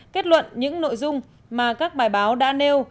kết luận những nội dung mà các bài báo đã nêu